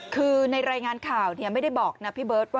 คือในรายงานข่าวเนี่ยไม่ได้บอกนะพี่เบิร์ช